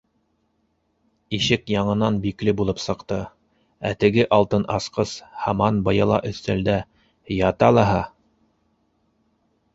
Ишек яңынан бикле булып сыҡты, ә теге алтын асҡыс һаман быяла өҫтәлдә ята лаһа.